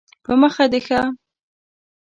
په مخه دې ښه